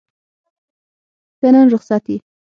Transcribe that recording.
ته نن رخصت یې؟